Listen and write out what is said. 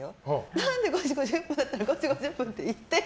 何で５時５０分だったら５時５０分に言ってよ！